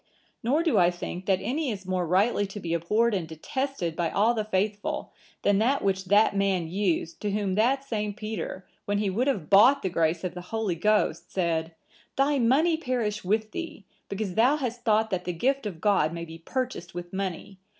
Nor do I think that any is more rightly to be abhorred and detested by all the faithful, than that which that man used, to whom that same Peter, when he would have bought the grace of the Holy Ghost, said,(982) 'Thy money perish with thee, because thou hast thought that the gift of God may be purchased with money.